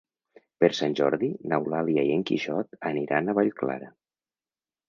Per Sant Jordi n'Eulàlia i en Quixot aniran a Vallclara.